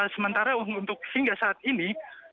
sementara hingga saat ini